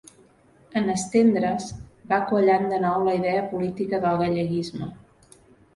En estendre's, va quallant de nou la idea política del galleguisme.